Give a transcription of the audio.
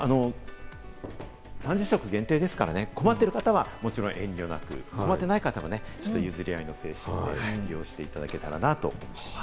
３０食限定ですから、困ってる方はもちろん、遠慮なく、困ってない方はちょっと譲り合いの精神で応じていただけたらなと思います。